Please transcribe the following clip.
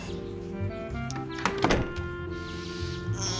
うん！